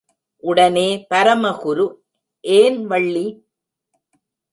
உடனே பரமகுரு, ஏன் வள்ளி!